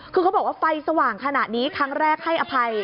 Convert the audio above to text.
คือเขาบอกว่าไฟสว่างขนาดนี้ครั้งแรกให้อภัย